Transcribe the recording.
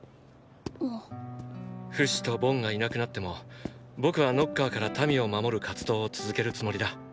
フシとボンがいなくなっても僕はノッカーから民を守る活動を続けるつもりだ。